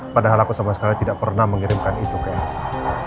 padahal aku sama sekali tidak pernah mengirimkan itu ke elsa